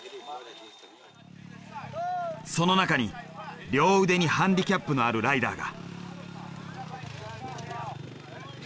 その中に両腕にハンディキャップのあるライダーが。